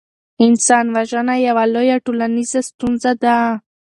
انسان وژنه یوه لویه ټولنیزه ستونزه ده.